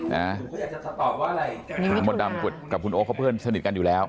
มดดำกับคุณโอ๊คเขาเพื่อนสนิทกันอยู่แล้ว